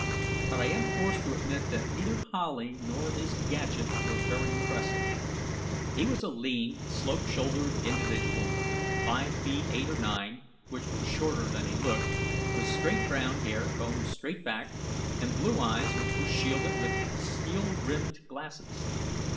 But I am forced to admit that neither Howley nor his gadget were very impressive. He was a lean, slope shouldered individual, five feet eight or nine which was shorter than he looked with straight brown hair combed straight back and blue eyes which were shielded with steel rimmed glasses.